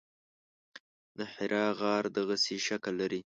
د حرا غر دغسې شکل لري.